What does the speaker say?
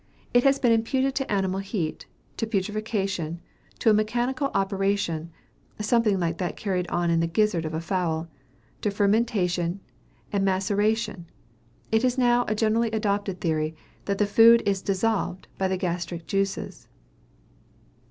It has been imputed to animal heat, to putrefaction, to a mechanical operation (something like that carried on in the gizzard of a fowl,) to fermentation, and maceration. It is now a generally adopted theory, that the food is dissolved by the gastric juices.